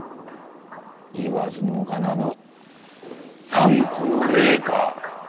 言わずもがなの三顧の礼か。